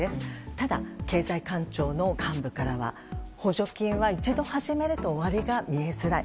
ただ、経済官庁の幹部からは補助金は一度始めると終わりが見えづらい。